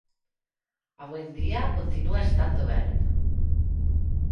Avui en dia, continua estant obert.